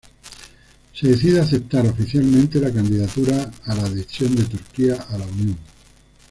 Se decide aceptar oficialmente la candidatura a la adhesión de Turquía a la Unión.